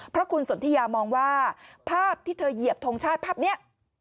เพราะคุณสนทิยามองว่าภาพที่เธอเหยียบทงชาติภาพนี้